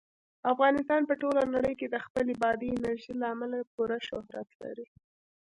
افغانستان په ټوله نړۍ کې د خپلې بادي انرژي له امله پوره شهرت لري.